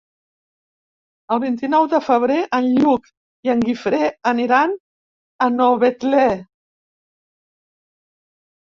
El vint-i-nou de febrer en Lluc i en Guifré aniran a Novetlè.